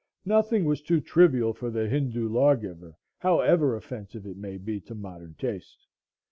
Nothing was too trivial for the Hindoo lawgiver, however offensive it may be to modern taste.